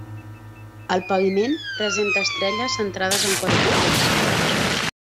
El paviment presenta estrelles centrades en quadrícules.